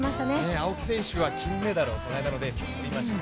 青木選手は、金メダルをこの間のレースでとりました。